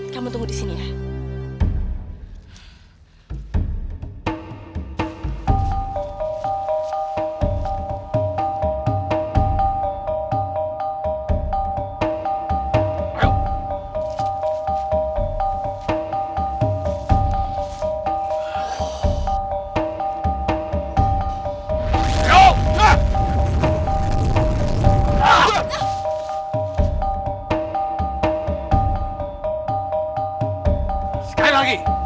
kamu tunggu disini ya